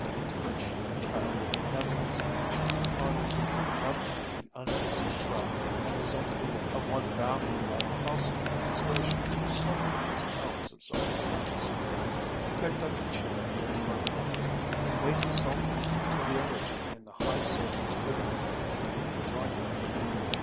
To which entirely benevolent speech, Arnold returned nothing but the uneasy shrug and resentful look of one baffled by a hostile demonstration too subtle for his powers of self defense. He picked up the chair he had thrown over, and waited sulkily till the others were in the high ceilinged living room before he joined them.